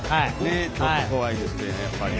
ちょっと怖いですねやっぱりね。